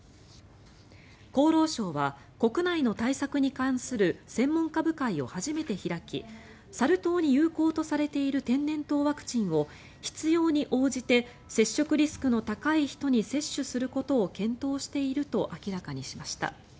厚労省は国内の対策に関する専門家部会を初めて開きサル痘に有効とされている天然痘ワクチンを必要に応じて接触リスクの高い人に接種することを検討していると明らかにしました。